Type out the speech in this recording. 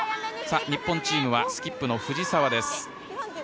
さあ、日本チームはスキップの藤澤です。